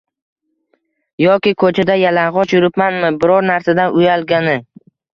Yoki koʻchada yalangʻoch yuribmanmi biror narsadan uyalgani?